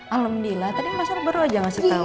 alhamdulillah tadi mas arbara aja ngasih tau